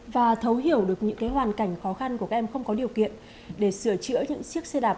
và thấu hiểu được những hoàn cảnh khó khăn của các em không có điều kiện để sửa chữa những chiếc xe đạp